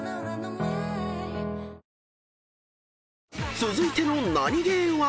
［続いてのナニゲーは］